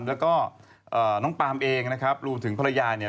และน้องปามรวมถึงพระยาย